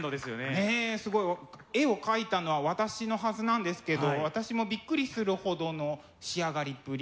ねえすごい絵を描いたのは私のはずなんですけど私もびっくりするほどの仕上がりっぷり。